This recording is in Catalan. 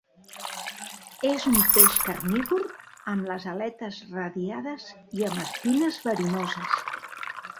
És un peix carnívor amb les aletes radiades i amb espines verinoses.